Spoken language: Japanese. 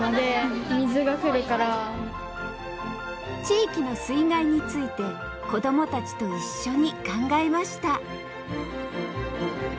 地域の水害について子供たちと一緒に考えました